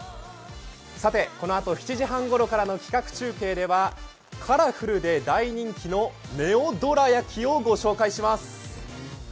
さて、このあと７時半ごろの企画中継ではカラフルで大人気のネオどら焼きをご紹介します。